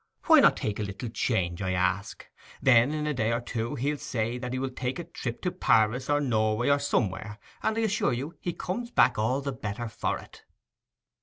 "Why not take a little change?" I ask. Then in a day or two he'll say that he will take a trip to Paris, or Norway, or somewhere; and I assure you he comes back all the better for it.